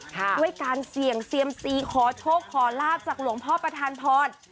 ด้วยการเสี่ยงเซียมซีขอโชคขอลาบจากหลวงพ่อประธานพร